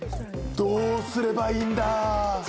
どうすればいいんだ！